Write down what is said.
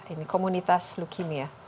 ini komunitas leukemia